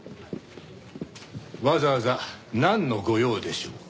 わざわざなんのご用でしょうか？